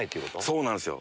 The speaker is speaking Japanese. そうなんすよ。